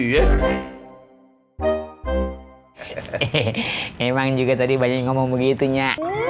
memang juga tadi banyak ngomong begitunya